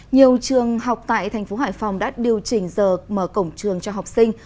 nhiều trường học tại tp hf đã điều chỉnh giờ mở cổng trường cho học sinh